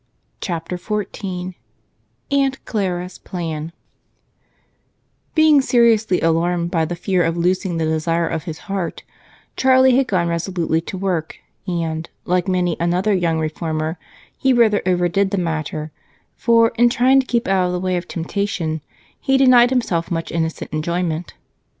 Chapter 14 AUNT CLARA'S PLAN Being seriously alarmed by the fear of losing the desire of his heart, Charlie had gone resolutely to work and, like many another young reformer, he rather overdid the matter, for in trying to keep out of the way of temptation, he denied himself much innocent enjoyment.